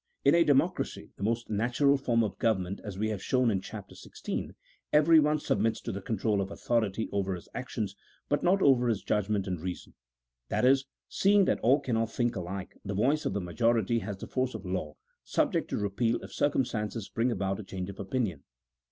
In a democracy (the most natural form of government, as we have shown in Chapter XVI.) everyone submits to the control of authority over his actions, but not over his judgment and reason ; that is, seeing that all cannot think alike, the voice of the majority has the force of law, subject to repeal if circumstances bring about a change of opinion.